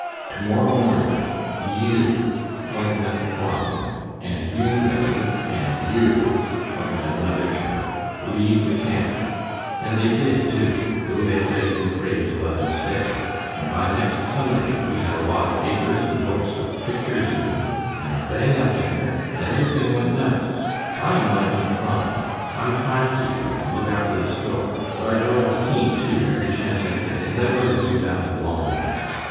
To morrow morning, YOU,' pointin' at the foreman, 'and you, Billie,' and YOU, pointin' at another chap, leave the camp, and they did too, though they begged and prayed to let 'em stay, and by next Sunday we had a lot of papers and books, with pictures in 'em, and a bang up dinner, and everything went nice. I am likin' it fine. I'm time keeper, and look after the store; but I drive the team too every chance I get, and I'd ruther do that a long way.